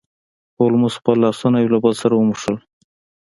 هولمز خپل لاسونه یو له بل سره وموښل.